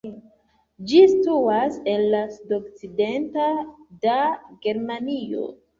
Ĝi situas al la sudokcidenta da Germanio.